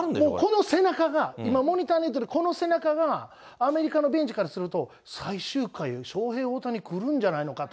この背中が、今、モニターに映ってるこの背中がアメリカのベンチからすると、最終回、ショウヘイ・オオタニくるんじゃないかと。